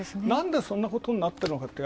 なんでそんなことになっているか